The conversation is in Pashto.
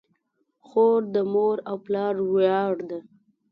خور د مور او پلار ویاړ ده.